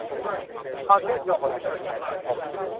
ความเชื่อมโยงของเทคโนโลยีกับสังคม